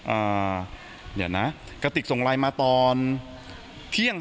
อ่าเดี๋ยวนะกระติกส่งไลน์มาตอนเที่ยง